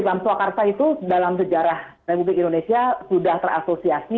pam swakarsa itu dalam sejarah republik indonesia sudah terasosiasi